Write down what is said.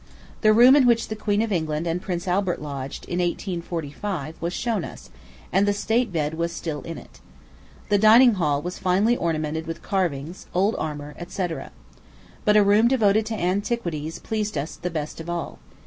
The room in which the Queen of England and Prince Albert lodged, in 1845, was shown us, and the state bed was still in it. The dining hall was finely ornamented with carvings, old armor, &c. But a room devoted to antiquities pleased us the best of all.